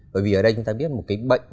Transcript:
bởi vì ở đây chúng ta biết một cái bệnh